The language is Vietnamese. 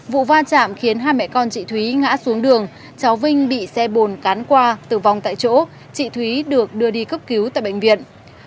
vụ va chạm khiến hai mẹ con chị thúy ngã xuống đường cháu vinh bị xe bồn cán qua tử vong tại chỗ chị thúy được đưa đi cấp cứu tại bệnh viện